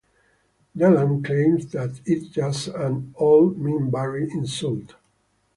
Delenn claims that it is just an old Minbari insult.